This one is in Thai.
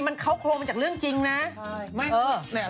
มน่าจะข้าวโครมจากเรื่องจริงนะ